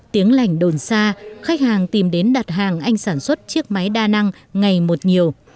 tiếng lành đồn xa khách hàng tìm đến đặt hàng anh sản xuất chiếc máy đa năng ngày một nhiều